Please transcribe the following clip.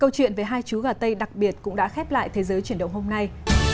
câu chuyện về hai chú gà tây đặc biệt cũng đã khép lại thế giới chuyển động hôm nay